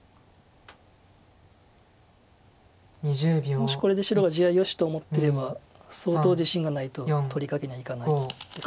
もしこれで白が地合いよしと思ってれば相当自信がないと取り掛けにはいかないです。